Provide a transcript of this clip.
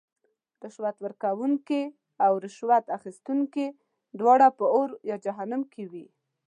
رشوت ورکوونکې او رشوت اخیستونکې دواړه به اور یا جهنم کې وی .